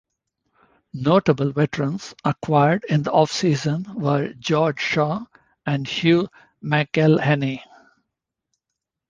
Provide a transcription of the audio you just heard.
Notable veterans acquired in the offseason were George Shaw and Hugh McElhenny.